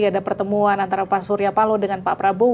ada pertemuan antara pak surya palo dengan pak prabowo